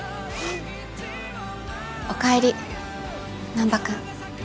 おかえり難破君。